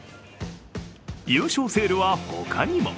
優勝セールは他にも。